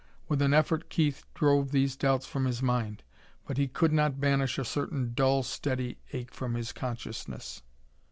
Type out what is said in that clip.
With an effort Keith drove these doubts from his mind ... but he could not banish a certain dull, steady ache from his consciousness....